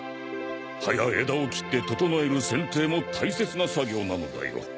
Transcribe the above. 葉や枝を切って整える剪定も大切な作業なのだよ。